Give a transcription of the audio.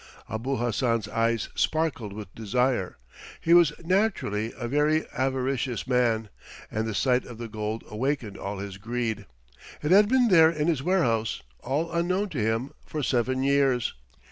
Abul Hassan's eyes sparkled with desire. He was naturally a very avaricious man, and the sight of the gold awakened all his greed. It had been there in his warehouse, all unknown to him, for seven years.